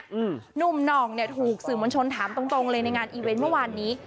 หนุ่มหน่องเนี้ยถูกสื่อมวลชนถามตรงตรงเลยในงานอีเวนต์เมื่อวานนี้